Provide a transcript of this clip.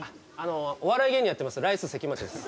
お笑い芸人やってますライス・関町です